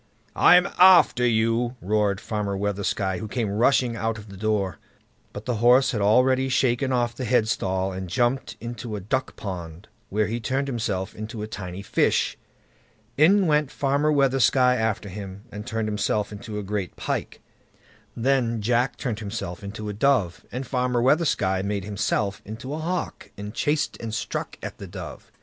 "I'M AFTER YOU", roared Farmer Weathersky, who came rushing out of the door. But the horse had already shaken off the headstall, and jumped into a duck pond, where he turned himself into a tiny fish. In went Farmer Weathersky after him, and turned himself into a great pike. Then Jack turned himself into a dove, and Farmer Weathersky made himself into a hawk, and chased and struck at the dove.